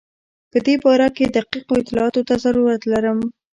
په دې باره کې دقیقو اطلاعاتو ته ضرورت لرم.